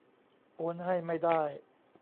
โอนให้ไม่ได้